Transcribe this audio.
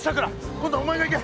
今度はお前が行け。